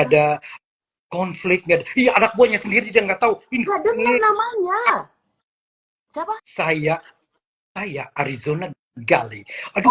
ada konfliknya iya anak buahnya sendiri dia nggak tahu itu ada nilai namanya siapa saya arizona gali aduh